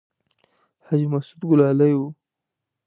حاجي مسعود ګلالی و.